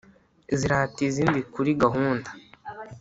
zirata izindi kuri gahunda,